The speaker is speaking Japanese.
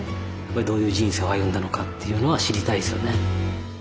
どういう人生を歩んだのかっていうのは知りたいですよね。